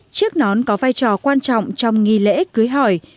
chiếc nón có vai trò quan trọng trong nghi lễ cưới hỏi